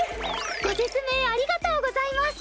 ご説明ありがとうございます。